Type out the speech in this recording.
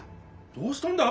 どうしたんだ？